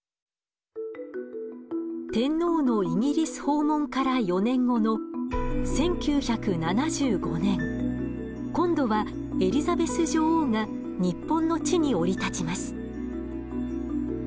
天皇のイギリス訪問から４年後の１９７５年今度はエリザベス女王が日本の地に降り立ちます。